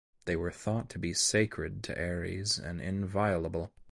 They were thought to be sacred to Aries and inviolable.